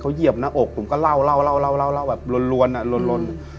เขาเหยียบหน้าอกผมก็เล่าเล่าเล่าเล่าเล่าเล่าแบบล้วนล้วนอะล้วนล้วน